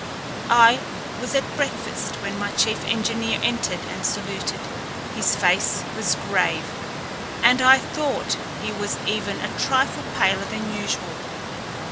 I was at breakfast when my chief engineer entered and saluted. His face was grave, and I thought he was even a trifle paler than usual.